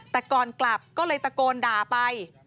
แต่ก่อนกลับก็เลยตะโกนด่าไป